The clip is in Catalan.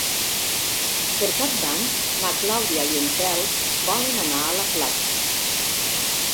Per Cap d'Any na Clàudia i en Telm volen anar a la platja.